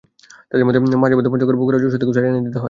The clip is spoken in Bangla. তাঁদের জন্য মাঝেমধ্যে পঞ্চগড়, বগুড়া, যশোর থেকেও শাড়ি এনে দিতে হয়।